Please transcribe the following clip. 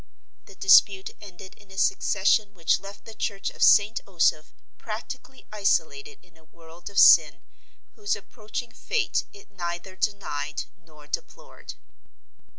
The dispute ended in a secession which left the church of St. Osoph practically isolated in a world of sin whose approaching fate it neither denied nor deplored.